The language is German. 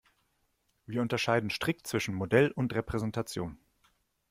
Wir unterscheiden strikt zwischen Modell und Repräsentation.